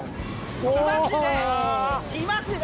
きますね。